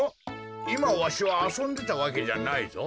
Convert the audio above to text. いまわしはあそんでたわけじゃないぞ。